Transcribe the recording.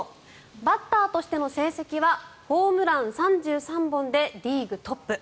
バッターとしての成績はホームラン３３本でリーグトップ。